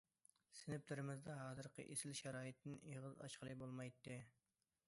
سىنىپلىرىمىزدا ھازىرقى ئېسىل شارائىتتىن ئېغىز ئاچقىلىمۇ بولمايتتى.